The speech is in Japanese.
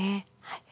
はい。